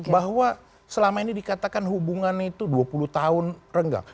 bahwa selama ini dikatakan hubungan itu dua puluh tahun renggang